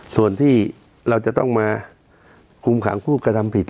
ส่วนที่เราจะต้องมาคุมขังผู้กระทำผิด